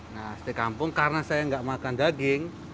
nah steak kampung karena saya tidak makan daging